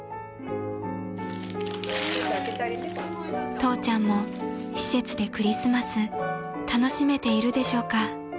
［父ちゃんも施設でクリスマス楽しめているでしょうか？］